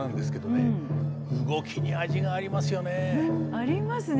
ありますね。